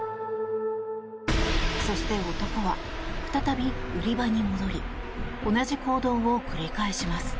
そして、男は再び売り場に戻り同じ行動を繰り返します。